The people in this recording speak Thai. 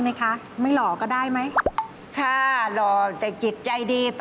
ผมฉันก็รอรอมันก็มาพร้อมกันเมื่อเมื่อกว่าล่ะ